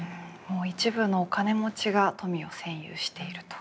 もう一部のお金持ちが富を占有していると。